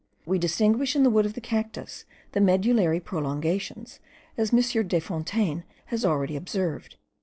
We distinguish in the wood of the cactus the medullary prolongations, as M. Desfontaines has already observed.).